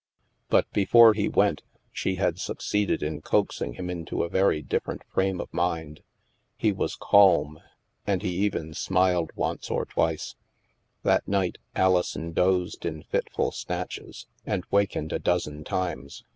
But before he went, she had succeeded in coaxing him into a very different frame of mind. He was calm, and he even smiled once or twice. That night, Alison dozed in fitful snatches, and wakened a dozen times.